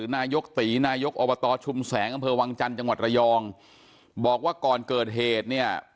นายกตีนายกอบตชุมแสงอำเภอวังจันทร์จังหวัดระยองบอกว่าก่อนเกิดเหตุเนี่ย